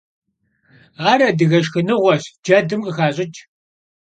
Ar adıge şşxınığueş, cedım khıxaş'ıç'.